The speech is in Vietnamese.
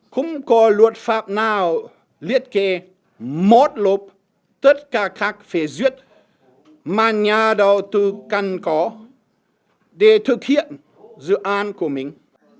không có luật pháp nào liết kê một lộp tất cả các phế duyết mà nhà đầu tư cần có để thực hiện dự án của mình